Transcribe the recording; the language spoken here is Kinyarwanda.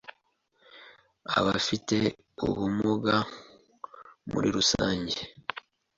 Abafite ubumuga muri rusange,